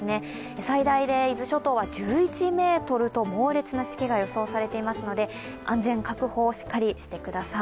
最大で伊豆諸島は１１ｍと猛烈なしけが予想されていますので安全確保をしっかりしてください。